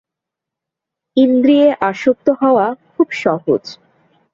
ইন্দ্রিয়ে আসক্ত হওয়া খুব সহজ।